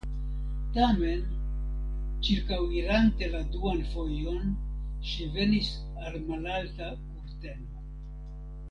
Tamen, ĉirkaŭirante la duan fojon, ŝi venis al malalta kurteno.